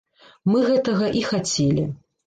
Мы гэтага і хацелі.